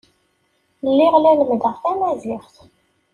Lliɣ la lemmdeɣ tamaziɣt.